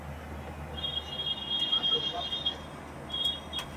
মন্দিরের সেবকদিগকে বিদায় করিয়া দিয়া চতুর্দশ দেবপ্রতিমা সম্মুখে করিয়া রঘুপতি একাকী বসিয়া আছেন।